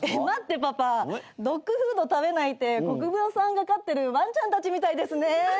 待ってパパドッグフード食べないって国分さんが飼ってるワンちゃんたちみたいですね。